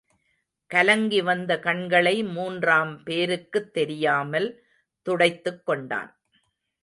கலங்கி வந்த கண்களை மூன்றாம் பேருக்குத் தெரியாமல் துடைத்துக் கொண்டான்.